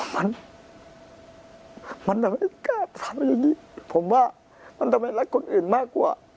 มันมันแบบไม่กล้าทำอย่างนี้ผมว่ามันทำไมรักคนอื่นมากกว่า